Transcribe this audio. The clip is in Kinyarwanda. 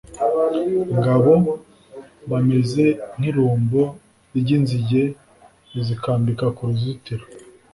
ngabo bameze nk irumbo ry inzige zikambika ku ruzitiro